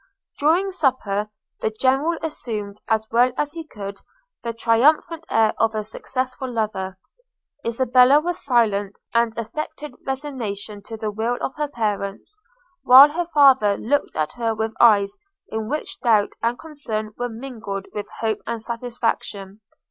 During supper the General assumed, as well as he could, the triumphant air of a successful lover. Isabella was silent, and affected resignation to the will of her parents; while her father looked at her with eyes in which doubt and concern were mingled with hope and satisfaction.